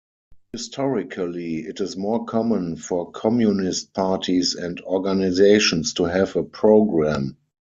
Historically it is more common for communist parties and organizations to have a program.